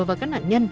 và các nạn nhân